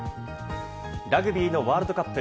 ラグビーのワールドカップ。